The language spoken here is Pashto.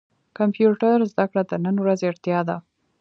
کمپيوټر زده کړه د نن ورځي اړتيا ده.